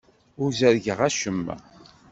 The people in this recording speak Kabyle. Ur ẓerrgeɣ acemma.